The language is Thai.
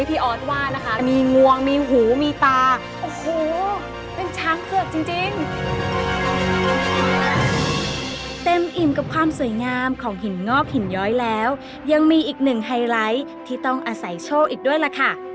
อิสกับความสวยงามของหินงอกหินย้อยแล้วยังมีอีกหนึ่งไฮไลท์ที่ต้องอาศัยโชคอีกด้วยล่ะค่ะ